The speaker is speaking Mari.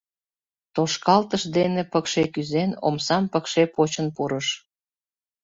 Тошкалтыш дене пыкше кӱзен, омсам пыкше почын пурыш.